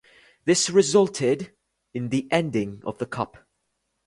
This resulted in the ending of the cup.